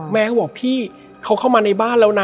เขาบอกพี่เขาเข้ามาในบ้านแล้วนะ